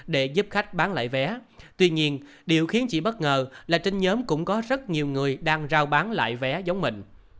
để giúp khách bán lại vé tuy nhiên điều khiến chị bất ngờ là trên nhóm cũng có rất nhiều người đang giao bán lại vé giống mình